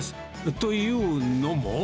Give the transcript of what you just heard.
というのも。